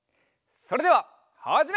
それでははじめ！